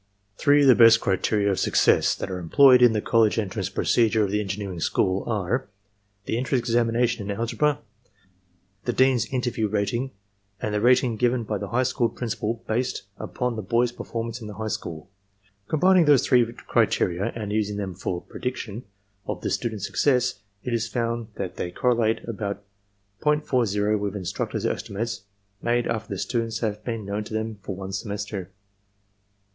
"Three of the best criteria of success that are employed in the college entrance procedure of the engineering school are: the entrance examination in algebra, the dean's interview rating, and the rating given by the high school principal based upoii the boy's performance in the high school. Combining those three criteria and using them for prediction of the students' success, it is found that they correlate about .40 with instructors' estimates made after the students have been known to them for one semester.